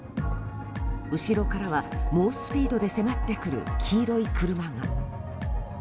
後ろからは猛スピードで迫ってくる黄色い車が。